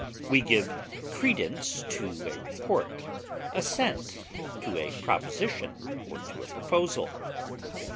We give credence to a report, assent to a proposition or to a proposal.